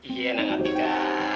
iya enak ngerti kak